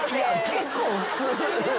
結構普通。